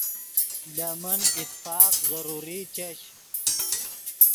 لے من اتفاق ضروری چش